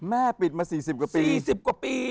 แม่ปิดมา๔๐กว่าปี